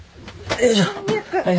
よいしょ。